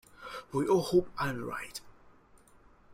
We all hope I am right.